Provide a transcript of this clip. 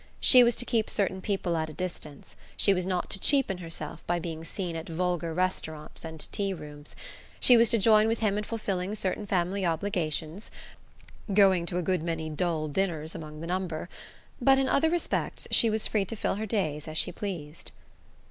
She was to keep certain people at a distance, she was not to cheapen herself by being seen at vulgar restaurants and tea rooms, she was to join with him in fulfilling certain family obligations (going to a good many dull dinners among the number); but in other respects she was free to fill her days as she pleased.